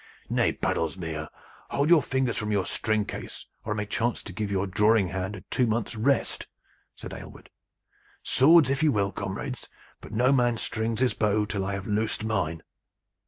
"Nay, Baddlesmere, hold your fingers from your string case, or I may chance to give your drawing hand a two months' rest," said Aylward. "Swords, if you will, comrades, but no man strings his bow till I have loosed mine."